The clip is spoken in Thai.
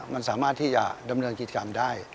มันสามารถที่จะดำเนินกิจกรรมได้